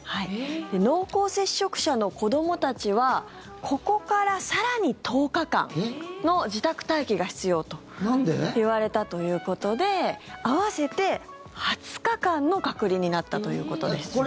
濃厚接触者の子どもたちはここから更に１０日間の自宅待機が必要と言われたということで合わせて２０日間の隔離になったということです。